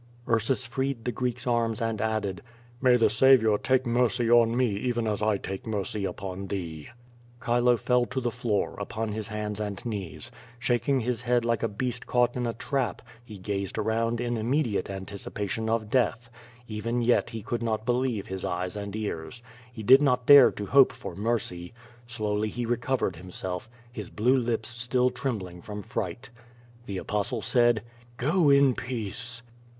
Ursus freed the Greek's arms and added: "May the Saviour take mercy on me even as I take mercy upon thee." Chilo fell to the floor, upon his hands and knees. Shak ing his head like a beast caught in a trap, he gazed around in immediate anticipation of death. Even yet he could not believe his eyes and ears. He did not dare to hope for mercy. Slowly he recovered himself, his blue lips still trembling from fright. The Apostle said, "Go in peace."